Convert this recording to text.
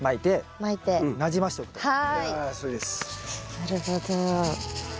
なるほど。